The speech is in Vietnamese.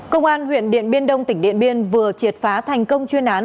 công an huyện điện biên đông tỉnh điện biên vừa triệt phá thành công chuyên án